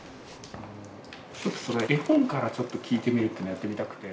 絵本からちょっと聞いてみるっていうのをやってみたくて。